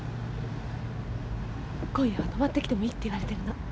今夜は「泊まってきてもいい」って言われてるの。